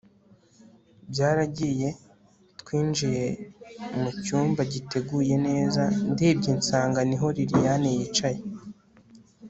byaragiye twinjiye mucyumba giteguye neza ndebye nsanga niho liliane yicaye